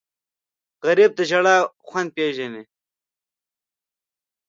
غریب د ژړا خوند پېژني